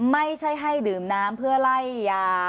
ไม่ใช่ให้ดื่มน้ำเพื่อไล่ยา